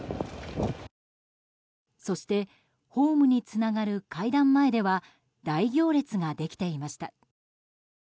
そして、ホームにつながる階段前では大行列ができていました。